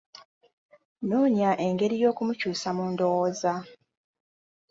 Noonya engeri y'okumukyusa mu ndowooza.